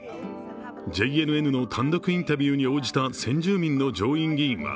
ＪＮＮの単独インタビューに応じた先住民の上院議員は